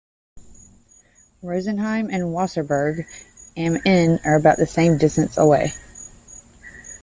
Rosenheim and Wasserburg am Inn are about the same distance away.